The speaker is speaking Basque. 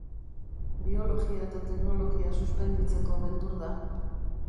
Biologia eta teknologia suspenditzeko beldur da.